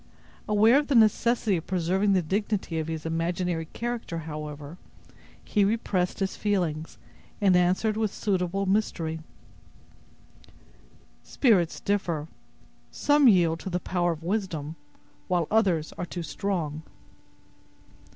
Aware of the necessity of preserving the dignity of his imaginary character, however, he repressed his feelings, and answered with suitable mystery: "Spirits differ; some yield to the power of wisdom, while others are too strong."